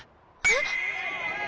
えっ？